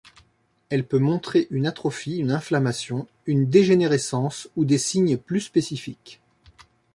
Elle peut montrer une atrophie, une inflammation, une dégénérescence ou des signes plus spécifiques.